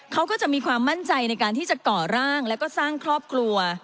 เขาก็จะมีความมั่นใจในการที่จะก่อร่างแล้วก็สร้างครอบครัว